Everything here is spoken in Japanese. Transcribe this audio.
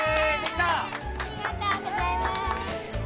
ありがとうございます。